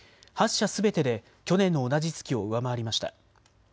社すべてで去年の同じ月を上回りました。